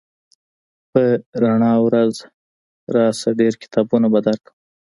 په رڼا ورځ راشه ډېر کتابونه به درکړم